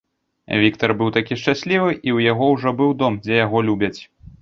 Віктар быў такі шчаслівы, і ў яго ўжо быў дом, дзе яго любяць.